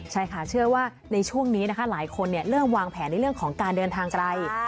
ใช่ค่ะเชื่อว่าในช่วงนี้นะคะหลายคนเริ่มวางแผนในเรื่องของการเดินทางไกล